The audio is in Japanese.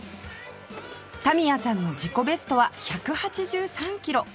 田宮さんの自己ベストは１８３キロ